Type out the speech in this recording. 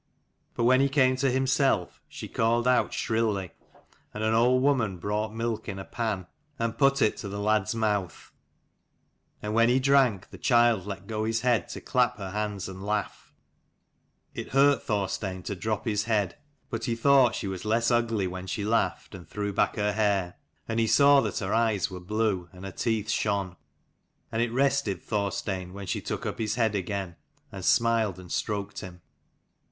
But when he came to himself, she called out shrilly, and an old woman brought milk in a pan and put it to the lad's mouth : and when he drank, the child let go his head to clap her hands and laugh. It hurt Thorstein to drop his head, but he thought she was less ugly when she laughed, and threw back her hair : and he saw that her eyes were blue, and her teeth shone. And it rested Thorsteinwhen she took up his head again, and smiled and stroked him.